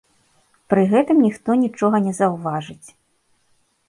Пры гэтым ніхто нічога не заўважыць.